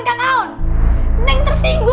kamu enables sesuatu